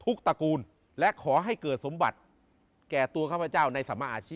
ตระกูลและขอให้เกิดสมบัติแก่ตัวข้าพเจ้าในสัมมาอาชีพ